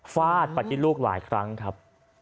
ฟาดประติดลูกหลายครั้งครับ